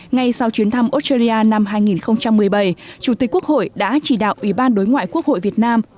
ngay sau chuyến thăm australia năm hai nghìn một mươi bảy chủ tịch quốc hội đã chỉ đạo ủy ban đối ngoại quốc hội việt nam